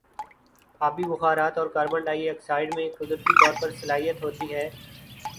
آبی بخارات اور کاربن ڈائی آکسائیڈ میں قدرتی طور پر صلاحیت ہوتی ہے